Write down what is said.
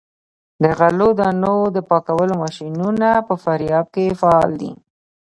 د غلو دانو د پاکولو ماشینونه په فاریاب کې فعال دي.